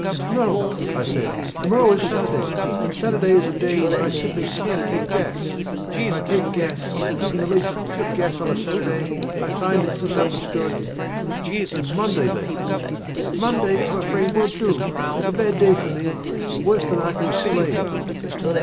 "No," I said, "to morrow is Saturday. And Saturday is a day when I simply can't take gas. If I take gas, even the least bit of gas on a Saturday, I find it's misunderstood " "Monday then." "Monday, I'm afraid, won't do. It's a bad day for me worse than I can explain."